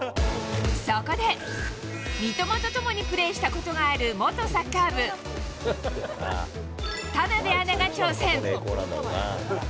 そこで、三笘と共にプレーしたことがある元サッカー部、田辺アナが挑戦。